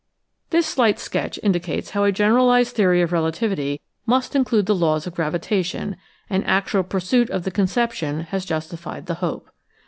This slight sketch indicates how a generalized theory of relativity must include the laws of gravitation, and actual pursuit of the conception has justified the hope.